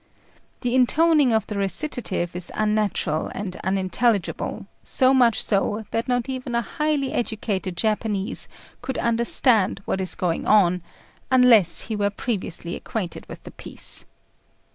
The intoning of the recitative is unnatural and unintelligible, so much so that not even a highly educated Japanese could understand what is going on unless he were previously acquainted with the piece.